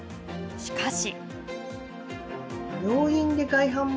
しかし。